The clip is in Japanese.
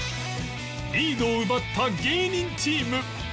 リードを奪った芸人チーム